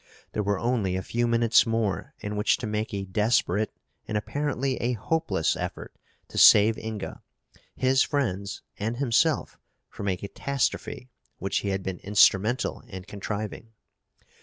There were only a few minutes more in which to make a desperate and apparently a hopeless effort to save Inga, his friends and himself from a catastrophe which he had been instrumental in contriving.